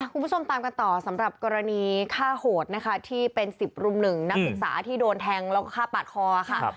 คุณผู้ชมตามกันต่อสำหรับกรณีฆ่าโหดนะคะที่เป็น๑๐รุ่มหนึ่งนักศึกษาที่โดนแทงแล้วก็ฆ่าปาดคอค่ะ